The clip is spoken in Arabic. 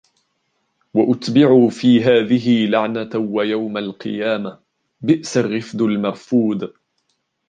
وأتبعوا في هذه لعنة ويوم القيامة بئس الرفد المرفود